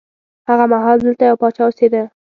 هغه مهال دلته یو پاچا اوسېده.